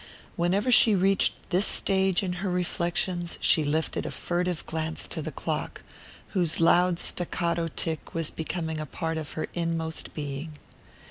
Whenever she reached this stage in her reflexions she lifted a furtive glance to the clock, whose loud staccato tick was becoming a part of her inmost being.